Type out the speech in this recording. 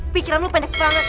pikiran lo pendek banget